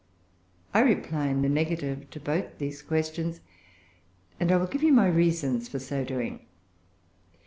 I reply in the negative to both these questions, and I will give you my reasons for so doing.